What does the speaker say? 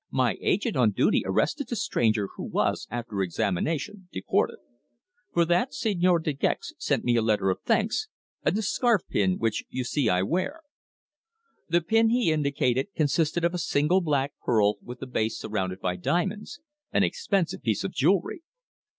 My agent on duty arrested the stranger, who was, after examination, deported. For that Señor De Gex sent me a letter of thanks, and the scarf pin which you see I wear." The pin he indicated consisted of a single black pearl with the base surrounded by diamonds, an expensive piece of jewellery.